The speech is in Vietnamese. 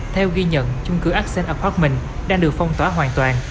theo ghi nhận trung cư accent apartment đang được phong tỏa hoàn toàn